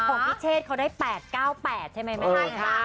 ของพี่เชษเขาได้๘๙๘ใช่ไหมคะ